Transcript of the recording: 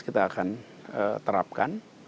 kita akan terapkan